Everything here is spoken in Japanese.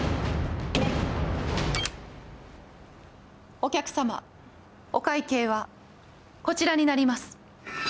お客様、お会計はこちらになります。